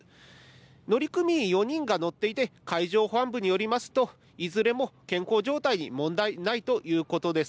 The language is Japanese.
乗組員４人が乗っていて海上保安部によりますといずれも健康状態に問題ないということです。